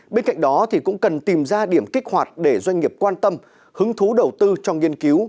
bên cạnh đó cũng cần tìm ra điểm kích hoạt để doanh nghiệp quan tâm hứng thú đầu tư cho nghiên cứu